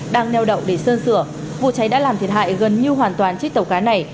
đang neo đậu để sơn sửa vụ cháy đã làm thiệt hại gần như hoàn toàn chiếc tàu cá này